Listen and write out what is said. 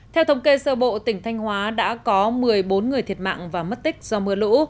theo thống kê sơ bộ tỉnh thanh hóa đã có một mươi bốn người thiệt mạng và mất tích do mưa lũ